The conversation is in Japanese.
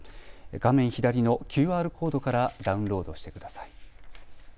画面左のＱＲコードからダウンロードしてください。